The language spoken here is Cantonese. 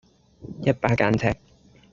一把間尺